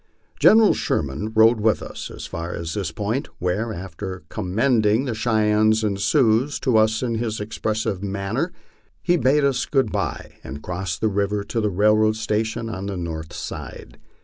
General Sherman rode with us as far as this point, where, after commending the Cheyennes and Sioux to us in his expressive manner, he bade us good by, and crossed the river to the railroad station on the north side.